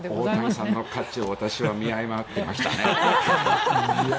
大谷さんの価値を私は見誤っていましたね。